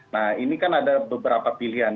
nah ini kan ada beberapa pilihan